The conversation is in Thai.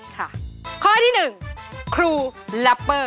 ค่ะข้อที่หนึ่งครูลัปเปอร์